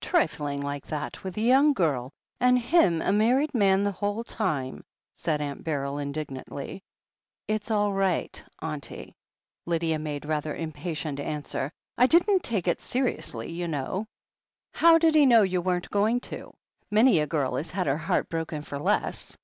"Trifling like that with a young girl, and him a mar ried man the whole of the time !" said Aunt Beryl in dignantly. "It's all right, auntie," Lydia made rather impatient answer. "I didn't take it seriously, you know." "How did he know you weren't going to? Many a girl has had her heart broken for less."